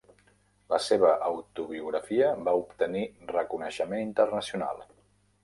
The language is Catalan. La seva autobiografia va obtenir reconeixement internacional.